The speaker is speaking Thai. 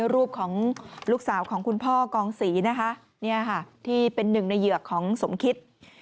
รูปของลูกสาวของคุณพ่อกองศรีนะคะที่เป็นหนึ่งในเหยื่อของสมคิต